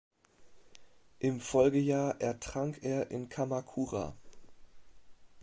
Im Folgejahr ertrank er in Kamakura.